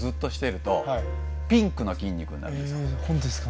本当ですか？